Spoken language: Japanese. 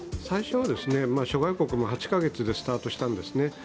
最初は諸外国も８カ月でスタートしたんですね。